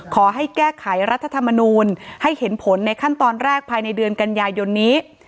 ขอให้แก้ไขรัฐธรรมนูลให้เห็นผลในขั้นตอนแรกภายในเดือนกันยายนนี้